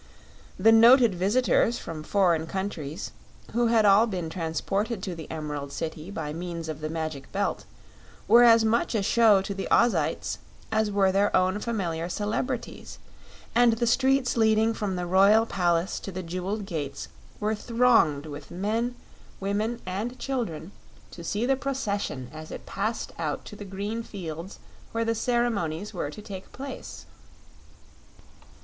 The noted visitors from foreign countries, who had all been transported to the Emerald City by means of the Magic Belt, were as much a show to the Ozites as were their own familiar celebrities, and the streets leading from the royal palace to the jeweled gates were thronged with men, women, and children to see the procession as it passed out to the green fields where the ceremonies were to take place.